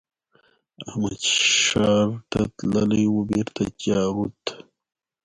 احمد ښار ته تللی وو؛ بېرته جارووت.